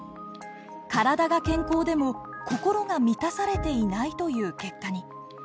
体が健康でも心が満たされていないという結果に。